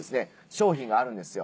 商品があるんですよ。